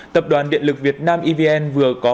tập đoàn điện lực việt nam evn vừa có